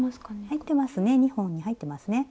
入ってますね２本に入ってますね。